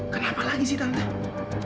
kenapa lagi sih tante